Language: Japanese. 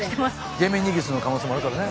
デメニギスの可能性もあるからね。